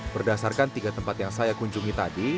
berdasarkan tiga tempat yang saya kunjungi tadi